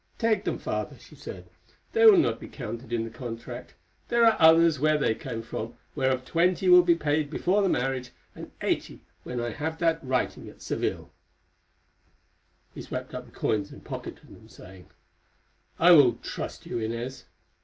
"Take them, Father," she said; "they will not be counted in the contract. There are others where they came from, whereof twenty will be paid before the marriage, and eighty when I have that writing at Seville." "There are others where they came from" He swept up the coins and pocketed them, saying: "I will trust you, Inez."